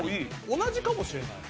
同じかもしれない。